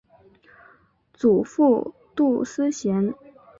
祖父杜思贤。